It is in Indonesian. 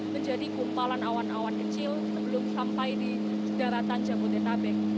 menjadi kumpalan awan awan kecil sebelum sampai di daratan jabodetabek